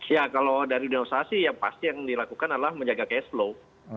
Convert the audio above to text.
ya kalau dari dunia usaha sih yang pasti yang dilakukan adalah menjaga cash flow